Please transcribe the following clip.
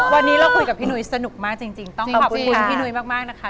วันนี้เราคุยกับพี่นุ้ยสนุกมากจริงต้องขอบคุณพี่นุ้ยมากนะคะ